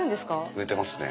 植えてますね。